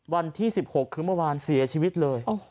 วันที่๑๖คือเมื่อวานเสียชีวิตเลย